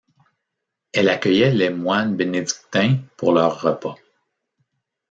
Elle accueillait les moines bénédictins pour leur repas.